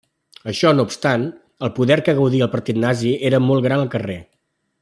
Això no obstant, el poder que gaudia el partit nazi era molt gran al carrer.